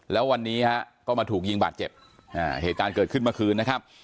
แล้ววันนี้ฮะก็มาถูกยิงบาดเจ็บเหตุการณ์เกิดขึ้นเมื่อคืนนะครับ